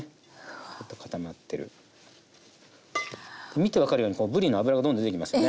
見て分かるようにこうぶりの脂がどんどん出てきますよね。